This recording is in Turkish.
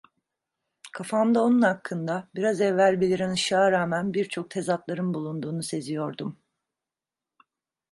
Kafamda onun hakkında, biraz evvel beliren ışığa rağmen, birçok tezatların bulunduğunu seziyordum.